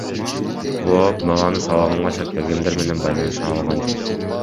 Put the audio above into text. Клооп баланы сабаганга шектелгендер менен байланыша алган жок.